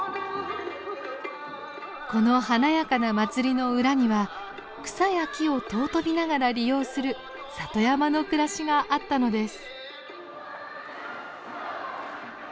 この華やかな祭りの裏には草や木を尊びながら利用する里山の暮らしがあったのです。